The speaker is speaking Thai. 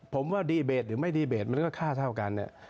ผมว่าดีเบตหรือไม่ดีเบตมันก็ค่าเท่ากันเนี่ย